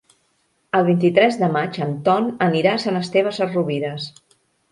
El vint-i-tres de maig en Ton anirà a Sant Esteve Sesrovires.